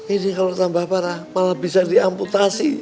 ini kalau tambah parah malah bisa diamputasi